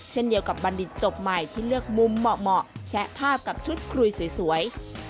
เช่นเดียวกับบัณฑิตจบใหม่ที่เลือกมุมเหมาะแชะภาพกับชุดคุยสวย